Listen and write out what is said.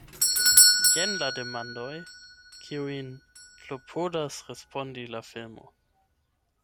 Jen la demandoj kiujn klopodas respondi la filmo.